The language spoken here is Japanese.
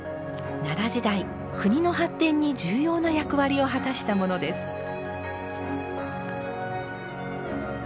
奈良時代国の発展に重要な役割を果たしたものです。